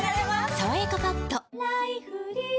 「さわやかパッド」菊池）